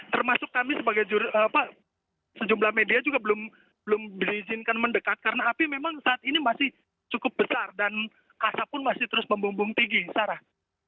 termasuk kami sebagai sejumlah media juga belum diizinkan mendekat karena api memang saat ini masih cukup besar dan asap pun masih terus membumbung tinggi sarah